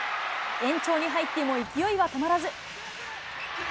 延長に入っても勢いは止まらず。